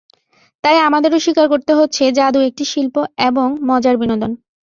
তাই আমাদেরও স্বীকার করতে হচ্ছে জাদু একটি শিল্প এবং মজার বিনোদন।